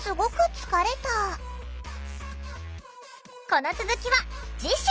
この続きは次週！